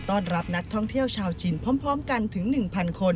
ต้อนรับนักท่องเที่ยวชาวจีนพร้อมกันถึง๑๐๐คน